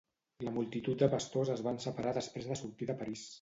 La multitud de pastors es van separar després de sortir de París.